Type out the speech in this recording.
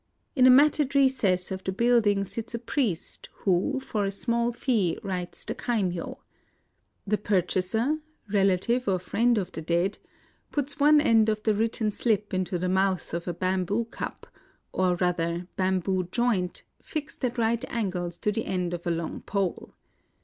In a matted recess of the build ing sits a priest who for a small fee writes the kaimyo. The purchaser — relative or friend of the dead — puts one end of the written slip into the mouth of a bamboo cup, or rather bamboo joint, fixed at right angles to the end of a long pole.